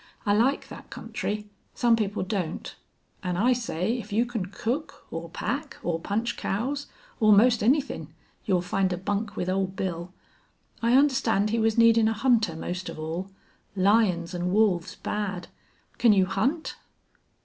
"I like thet country. Some people don't. An' I say if you can cook or pack or punch cows or 'most anythin' you'll find a bunk with Old Bill. I understand he was needin' a hunter most of all. Lions an' wolves bad! Can you hunt?"